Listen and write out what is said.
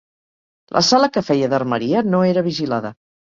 La sala que feia d'armeria no era vigilada